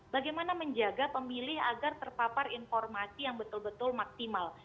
bagaimana menjaga pemilih agar terpapar informasi yang betul betul maksimal